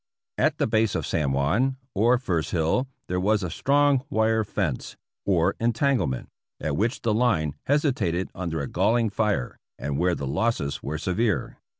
At the base of San Juan, or first hill, there was a strong wire fence, or entanglement, at which the line hesi tated under a galling fire, and where the losses were severe.